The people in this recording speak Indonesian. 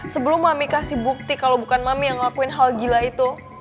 sebelum mami kasih bukti kalau bukan mami yang ngelakuin hal gila itu